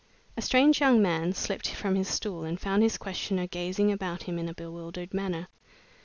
A strange young man slipped from his stool and found his questioner gazing about him in a bewildered manner.